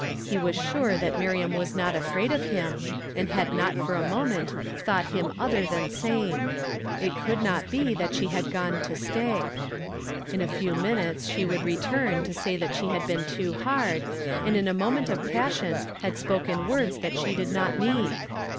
He was sure that Miriam was not afraid of him, and had not for a moment thought him other than sane. It could not be that she had gone to stay» In a few minutes she would return to say that she had been too hard, and in a moment of passion had spoken words that sh3 did not mean.